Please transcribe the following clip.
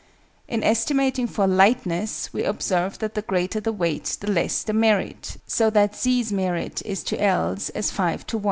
In estimating for lightness, we observe that the greater the weight, the less the merit, so that Z's merit is to L's as 5 to 1.